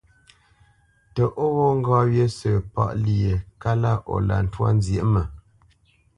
Tə ó ghó ŋgá wyé sə̂ páʼ lyé kalá o lǎ ntwá nzyěʼ mə?